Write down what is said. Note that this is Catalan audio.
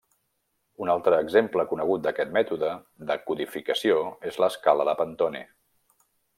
Un altre exemple conegut d'aquest mètode de codificació és l'escala de Pantone.